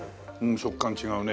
食感違うね。